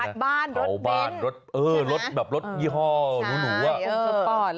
ถักบ้านรถเบนใช่ไหมใช่ไหมรถยี่ห้อหนูรถสปอร์ต